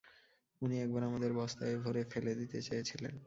উনি একবার আমাদের বস্তায় ভরে ফেলে দিতে চেয়েছিলেন।